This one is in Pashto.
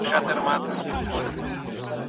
زړه! تا دا كيسه شروع كــړه